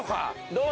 どう？